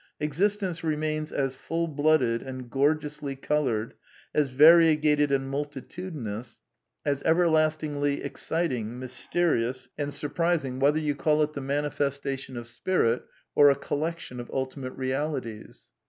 Existence remains as full blooded and gorgeously coloured, as variegated and multi tudinous, as everlastingly exciting, mysterious and sur 810 A DEFENCE OF IDEALISM priaiiig whether yoa call it the manifestatioii of Spirit or a collection of nltiinate realities.